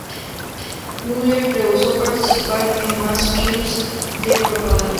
Müller rehusó participar en más films de propaganda.